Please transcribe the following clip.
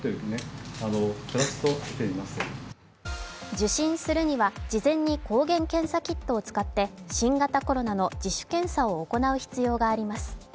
受診するには事前に抗原検査キットを使って新型コロナの自主検査を行う必要があります。